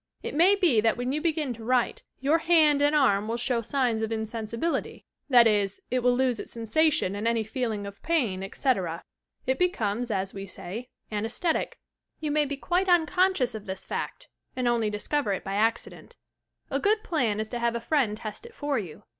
It may be that when you begin to write, your hand and arm will shown signs of insensibility; that is, it will lose its sensation and any feeling of pain, etc. It becomes, as we say, amesthetic. You may be quite un conscious of this fact and only discover it by an accident. A good plan is to have a friend test it for you.